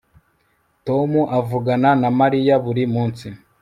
Tom avugana na Mariya buri munsi